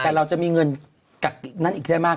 แต่เราจะมีเงินกักนั้นอีกได้มาก